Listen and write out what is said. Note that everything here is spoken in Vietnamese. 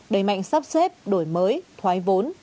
đẩy mạnh sắp xếp đổi mới thoái vốn